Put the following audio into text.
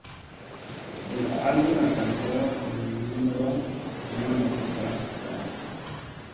El álbum alcanzó el número uno en las listas danesas.